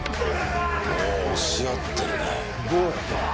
お、押し合ってるね。